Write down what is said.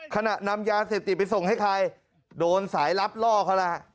ขณะนำยาเสพติดไปส่งให้ใครโดนสายลับล่อเขาแล้วฮะ